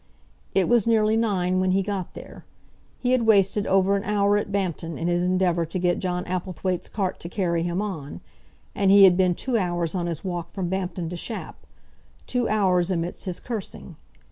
It was nearly nine when he got there. He had wasted over an hour at Bampton in his endeavour to get John Applethwaite's cart to carry him on, and he had been two hours on his walk from Bampton to Shap, two hours amidst his cursing.